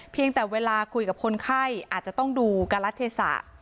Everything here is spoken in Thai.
เพียงแต่เวลาคุยกับคนไข้อาจจะต้องดูการรัฐเทศะ